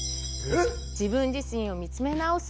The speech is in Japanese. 自分自身を見つめ直す